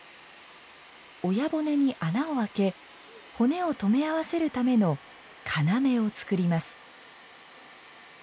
親骨に穴をあけ骨を止めあわせるための「要」を作ります。